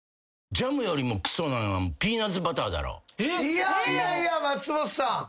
いやいやいや松本さん！